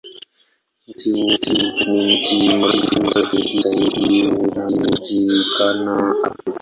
Mti huo ni mti mrefu zaidi unaojulikana Afrika.